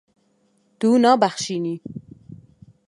Tu nabexşînî.